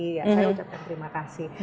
saya ucapkan terima kasih